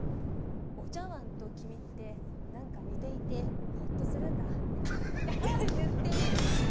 お茶わんと君って何か似ていてほっとするんだって言ってみる。